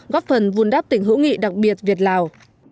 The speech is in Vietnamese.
góp phần vùn đáp tỉnh hữu nghị đặc biệt việt lào